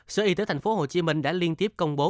sở y tế thành phố hồ chí minh đã liên tiếp công bố